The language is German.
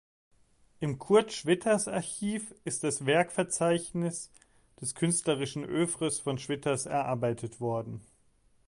Im Kurt Schwitters Archiv ist das Werkverzeichnis des künstlerischen Œuvres von Schwitters erarbeitet worden.